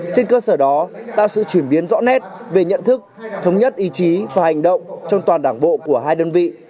trên cơ sở đó tạo sự chuyển biến rõ nét về nhận thức thống nhất ý chí và hành động trong toàn đảng bộ của hai đơn vị